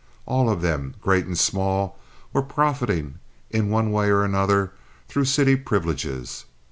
All of them, great and small, were profiting in one way and another through city privileges.